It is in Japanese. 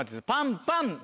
パンパン。